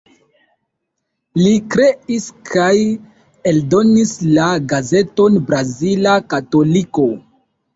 Li kreis kaj eldonis la gazeton Brazila Katoliko.